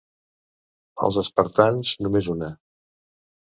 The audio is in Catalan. Els espartans només una.